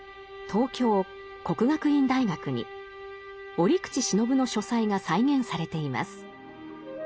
東京・國學院大學に折口信夫の書斎が再現されています。